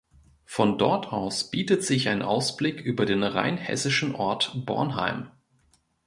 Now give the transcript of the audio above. Von dort aus bietet sich ein Ausblick über den rheinhessischen Ort Bornheim.